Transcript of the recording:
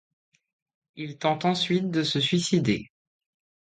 Il tente ensuite de se suicider.